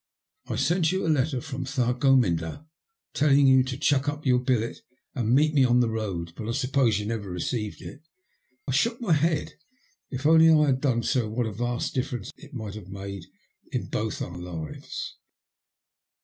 I sent you a letter from Thargomindah telling you to chuck up your billet and meet me on the road, bat I suppose you never received it?" I shook my head. If only I had done so what a vast difference it might have made in both our lives.